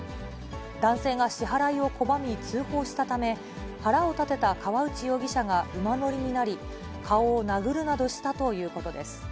男性が支払いを拒み、通報したため、腹を立てた河内容疑者が馬乗りになり、顔を殴るなどしたということです。